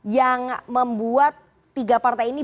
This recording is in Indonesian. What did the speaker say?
yang membuat tiga partai ini